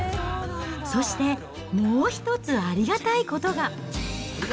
そしてもう１つありがたいことが。